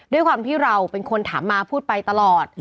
ด้วยความที่เราเป็นคนถามมาพูดไปตลอด